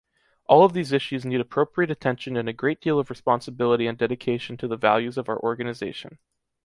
All of these issues need appropriate attention and a great deal of responsibility and dedication to the values of our Organization.